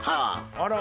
あら。